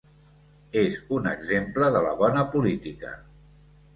És un exemple de la bona política.